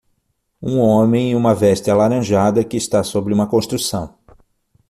Um homem em uma veste alaranjada que está sobre uma construção.